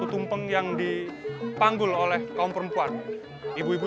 tumpeng dibawa sampai ke lapangan ranupan